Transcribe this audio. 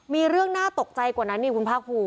มีเรื่องน่าตกใจกว่านั้นนี่คุณภาคภูมิ